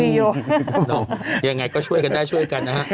ยังไงก็ช่วยกันได้ช่วยกันนะฮะ